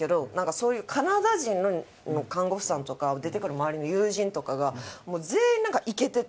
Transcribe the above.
そういうカナダ人の看護師さんとか出てくる周りの友人とかが全員なんかイケてて。